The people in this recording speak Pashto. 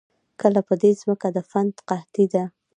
کله په دې زمکه د فن قحطي ده